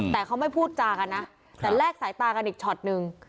แต่เขาไม่พูดจากันนะแต่แลกสายตากันอีกช็อตนึง